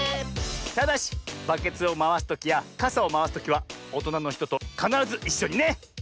ただしバケツをまわすときやかさをまわすときはおとなのひととかならずいっしょにね！